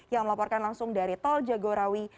yang melaporkan langsung dari tol jagorawi